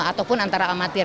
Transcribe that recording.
ataupun antara amatir